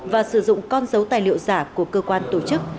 và sử dụng con dấu tài liệu giả của cơ quan tổ chức